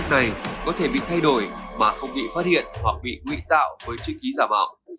do cách này có thể bị thay đổi mà không bị phát hiện hoặc bị nguy tạo với chữ ký giảm mỏ